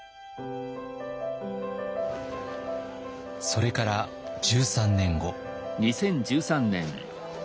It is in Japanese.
それから１３年後。